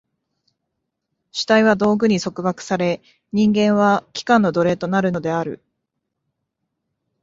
主体は道具に束縛され、人間は器官の奴隷となるのである。